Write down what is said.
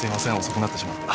遅くなってしまって。